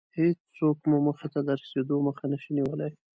هېڅوک مو موخې ته د رسېدو مخه نشي نيولی.